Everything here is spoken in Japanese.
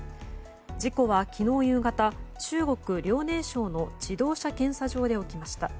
事故は昨日夕方中国・遼寧省の自動車検査場で起きました。